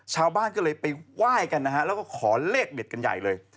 ชาวบ้านก็เลยไปไหว้กันนะฮะแล้วก็ขอเลขเด็ดกันใหญ่เลย